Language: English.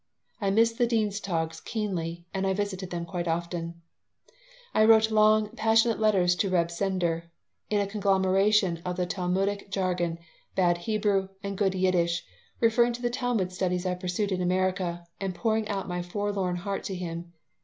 I missed the Dienstogs keenly, and I visited them quite often I wrote long, passionate letters to Reb Sender, in a conglomeration of the Talmudic jargon, bad Hebrew, and good Yiddish, referring to the Talmud studies I pursued in America and pouring out my forlorn heart to him.